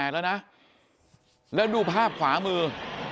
แล้วนะแล้วดูภาพขวามือ